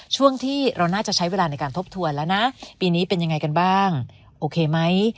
ช่วงที่เราน่าจะใช้เวลาในการทบทวนแล้วนะปีนี้เป็นยังไงกันบ้างโอเคไหม